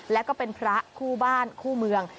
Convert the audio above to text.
แล้วก็เป็นพระคู่บ้านคู่เมือง